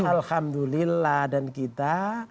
alhamdulillah dan kita